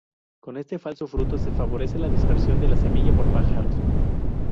Con este falso fruto se favorece la dispersión de la semilla por pájaros.